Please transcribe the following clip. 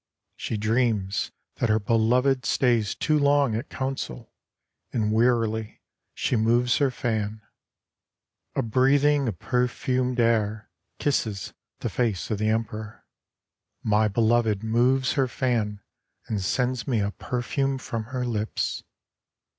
She dreams that her beloved stays too long at council, and wearily she moves her fan. A breathing of perfumed air kisses the face of the Emperor. My beloved moves her fan, and sends me a perfume from her lips."